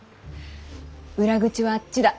裏口はあっちだ。